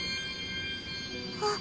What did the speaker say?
あっ！